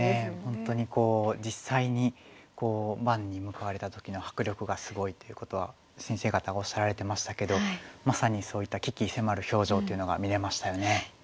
本当にこう実際に盤に向かわれた時の迫力がすごいということは先生方おっしゃられてましたけどまさにそういった鬼気迫る表情というのが見れましたよね。